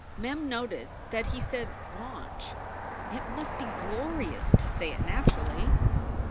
Mem noted that he said "rahnch." It must be glorious to say it naturally.